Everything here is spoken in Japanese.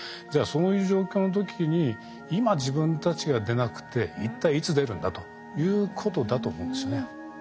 じゃあそういう状況の時に今自分たちが出なくて一体いつ出るんだということだと思うんですよね。